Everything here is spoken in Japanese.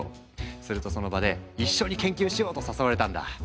するとその場で「一緒に研究しよう」と誘われたんだ。